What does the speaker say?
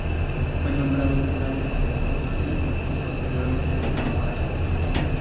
Fue nombrado cura de San Luis Potosí, y posteriormente de Zamora.